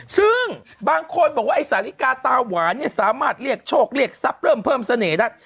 ซึ่งบางคนบอกว่าไอ้สาลิกาตาหวานเนี่ยสามารถเรียกโชคเรียกทรัพย์เริ่มเพิ่มเสน่ห์ได้